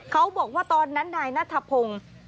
เขาบอกว่าตอนนั้นนายนัทพงศ์